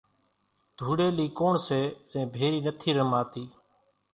ڌوڙيلي ڪوڻ سي زين ڀيري نٿي رماتي